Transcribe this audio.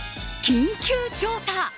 緊急調査！